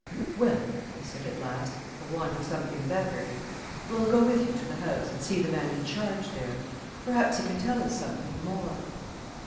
"Well," I said at last, for want of something better, "we'll go with you to the house, and see the man in charge there. Perhaps he can tell us something more."